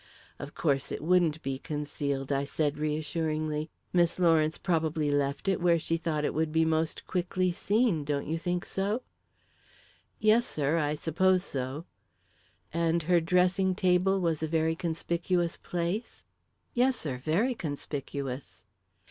"Of course it wouldn't be concealed," I said reassuringly. "Miss Lawrence probably left it where she thought it would be most quickly seen, don't you think so?" "Yes, sir; I suppose so." "And her dressing table was a very conspicuous place?" "Yes, sir; very conspicuous."